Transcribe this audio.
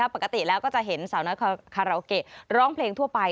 ปกติแล้วก็จะเห็นสาวน้อยคาราโอเกะร้องเพลงทั่วไป